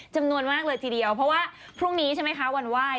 จำนวนมากเลยทีเดียวเพราะว่าพรุ่งนี้ใช่ไหมคะวันไหว้